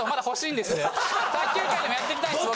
卓球界でもやっていきたいんです僕。